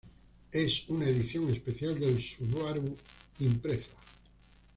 Es una edición especial del Subaru Impreza.